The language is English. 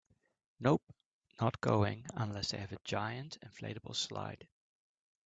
Nope, not going unless they have a giant inflatable slide.